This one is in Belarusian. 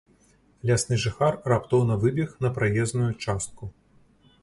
Лясны жыхар раптоўна выбег на праезную частку.